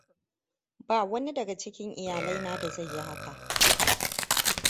Ba wani daga cikin iyalaina da zai yi haka.